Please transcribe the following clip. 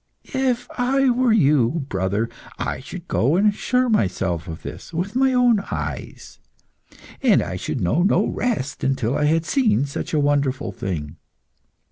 If I were you, brother, I should go and assure myself of this with my own eyes, and I should know no rest until I had seen such a wonderful thing.